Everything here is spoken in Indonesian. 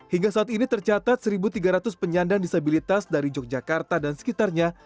hingga saat ini tercatat satu tiga ratus penyandang disabilitas dari yogyakarta dan sekitarnya